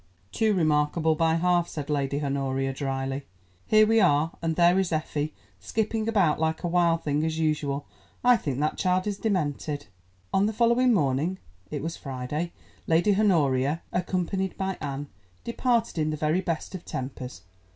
"Too remarkable by half," said Lady Honoria drily. "Here we are, and there is Effie, skipping about like a wild thing as usual. I think that child is demented." On the following morning—it was Friday—Lady Honoria, accompanied by Anne, departed in the very best of tempers.